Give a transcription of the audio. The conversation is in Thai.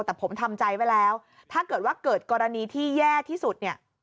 แต่ผมทำใจไว้แล้วถ้าเกิดว่าเกิดกรณีที่แย่ที่สุดเนี่ย